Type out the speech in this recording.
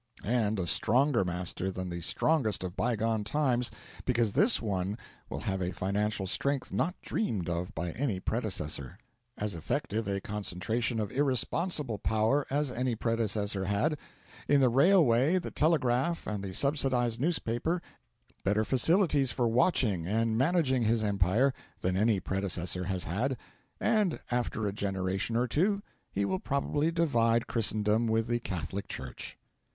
And a stronger master than the strongest of bygone times, because this one will have a financial strength not dreamed of by any predecessor; as effective a concentration of irresponsible power as any predecessor had; in the railway, the telegraph, and the subsidised newspaper, better facilities for watching and managing his empire than any predecessor has had; and after a generation or two he will probably divide Christendom with the Catholic Church.